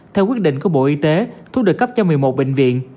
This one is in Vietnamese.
theo quyết định của bộ y tế thuốc được cấp cho một mươi một bệnh viện